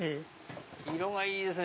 色がいいですね